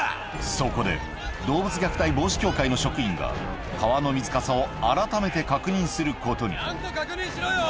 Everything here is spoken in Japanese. そこで動物虐待防止協会の職員が川の水かさをあらためて確認することに・ちゃんと確認しろよ！